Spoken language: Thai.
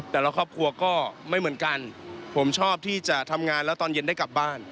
แต่ละครอบครัวก็ไม่เหมือนกันผมชอบที่จะทำงานแล้วตอนเย็นได้กลับบ้าน